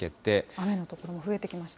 雨の所が増えてきました。